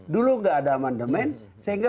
dulu tidak ada amandemen